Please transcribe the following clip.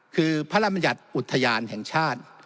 คือพระราชบัญญัติอุทยานแห่งชาติ